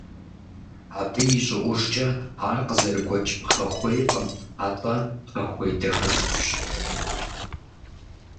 Абы и щӀыӀужкӀэ ар къызэрыгуэкӀ пхъэхуейкъым, атӀэ пхъэхуей дахэ цӀыкӀущ.